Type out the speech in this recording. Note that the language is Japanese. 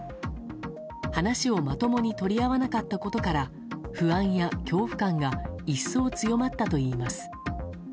話をまともに取り合わなかったことから不安や恐怖感が一層強まったといいます。